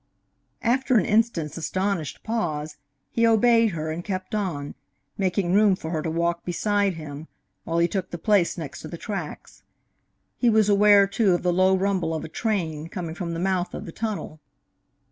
After an instant's astonished pause, he obeyed her and kept on, making room for her to walk beside him, while he took the place next to the tracks. He was aware, too, of the low rumble of a train, coming from the mouth of the tunnel.